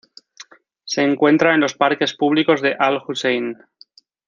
Se encuentra en los parques públicos de Al Hussein.